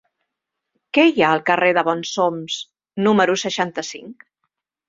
Què hi ha al carrer de Bonsoms número seixanta-cinc?